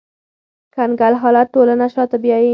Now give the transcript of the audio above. کنګل حالت ټولنه شاته بیایي